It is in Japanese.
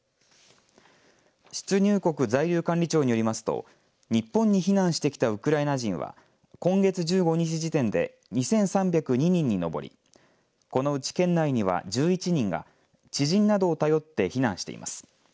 出入国在留管理庁によりますと日本に避難してきたウクライナ人は今月１５日時点で２３０２人に上りこのうち県内には１１人が知人などを頼って避難しています。